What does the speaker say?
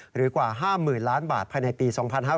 หรือกว่า๕๐๐๐๐๐๐๐บาทภายในปี๒๕๖๓